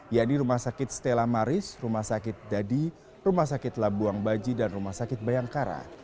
yaitu rumah sakit stella maris rumah sakit dadi rumah sakit labuang baji dan rumah sakit bayangkara